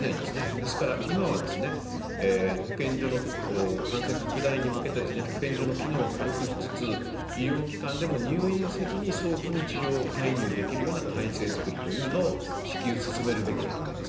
ですから今は感染拡大に向けて保健所の機能を軽くしつつ医療機関でも入院せずに早期に治療介入できるような体制作りを至急進めるべきだと思います。